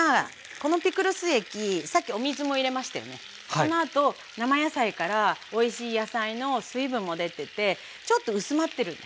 そのあと生野菜からおいしい野菜の水分も出ててちょっと薄まってるんです。